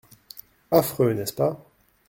Affreux, n’est-ce pas ?